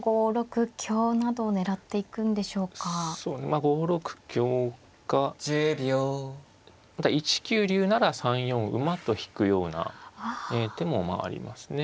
まあ５六香か１九竜なら３四馬と引くような手もありますね。